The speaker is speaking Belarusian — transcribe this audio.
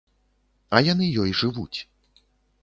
А яны ёй жывуць.